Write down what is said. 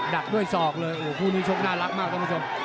ดักด้วยศอกเลยโอ้โหคู่นี้ชกน่ารักมากท่านผู้ชม